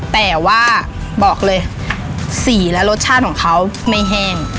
แต่ว่าบอกเลยสีและรสชาติของเขาไม่แห้ง